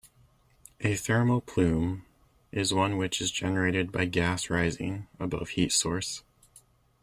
A thermal plume is one which is generated by gas rising above heat source.